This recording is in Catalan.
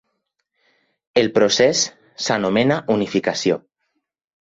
El procés s'anomena unificació.